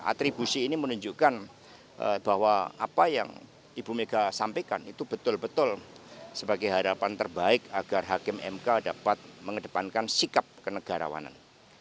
atribusi ini menunjukkan bahwa apa yang ibu mega sampaikan itu betul betul sebagai harapan terbaik agar hakim mk dapat mengedepankan sikap kenegarawanan